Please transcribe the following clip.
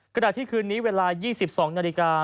ขณะที่คืนนี้เวลา๒๒นาฬิกา